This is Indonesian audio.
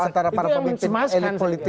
antara para pemimpin